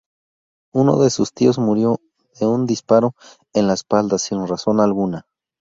Uno de sus tíos murió de un disparo en la espalda sin razón alguna.